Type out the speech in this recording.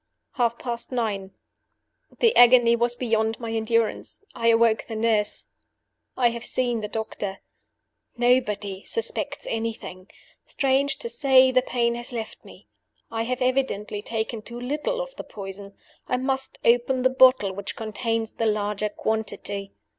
"Half past nine. "The agony was beyond my endurance I awoke the nurse. I have seen the doctor. "Nobody suspects anything. Strange to say, the pain has left me; I have evidently taken too little of the poison. I must open the bottle which contains the larger quantity.